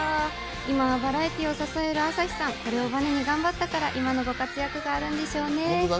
今はバラエティを支える朝日さん、これをバネに頑張ったから今のご活躍があるんでしょうね。